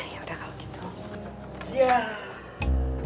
ya udah kalau gitu